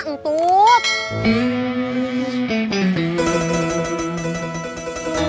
ngumpulnya di mana entut